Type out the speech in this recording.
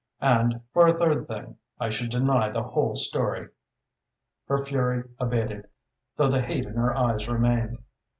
And for a third thing, I should deny the whole story." Her fury abated, though the hate in her eyes remained.